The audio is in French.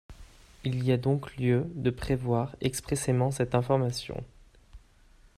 Il y a donc lieu de prévoir expressément cette information.